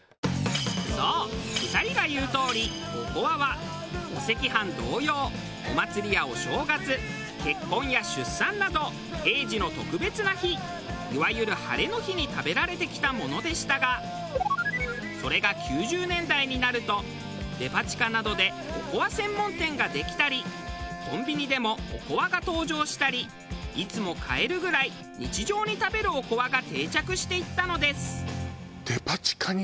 そう２人が言うとおりおこわはお赤飯同様お祭りやお正月結婚や出産など慶事の特別な日いわゆるハレの日に食べられてきたものでしたがそれが９０年代になるとデパ地下などでおこわ専門店ができたりコンビニでもおこわが登場したりいつも買えるぐらい日常に食べるおこわが定着していったのです。